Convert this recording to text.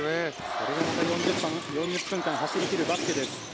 それをまた４０分間走り切るバスケです。